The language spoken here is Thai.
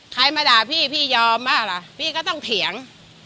ใครมาด่าพี่พี่ยอมป่ะล่ะพี่ก็ต้องเถียง